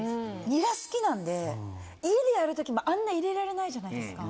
ニラ好きなんで家でやる時もあんな入れられないじゃないですか。